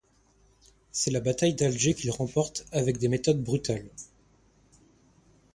C'est la bataille d'Alger qu'il remporte avec des méthodes brutales.